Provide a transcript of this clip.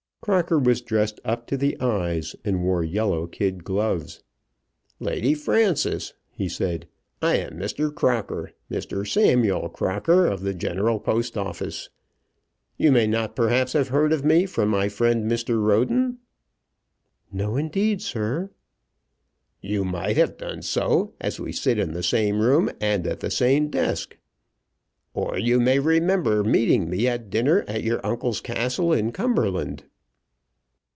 Crocker was dressed up to the eyes, and wore yellow kid gloves. "Lady Frances," he said, "I am Mr. Crocker, Mr. Samuel Crocker, of the General Post Office. You may not perhaps have heard of me from my friend, Mr. Roden?" "No, indeed, sir." "You might have done so, as we sit in the same room and at the same desk. Or you may remember meeting me at dinner at your uncle's castle in Cumberland."